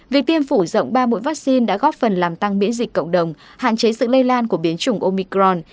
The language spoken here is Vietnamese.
việc tiêm phủ rộng ba mũi vaccine đã góp phần làm tăng biễn dịch cộng đồng hạn chế sự lây lan của biến chủng omicron